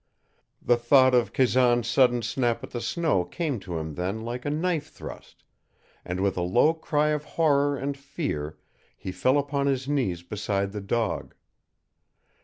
The thought of Kazan's sudden snap at the snow came to him then like a knife thrust, and with a low cry of horror and fear he fell upon his knees beside the dog.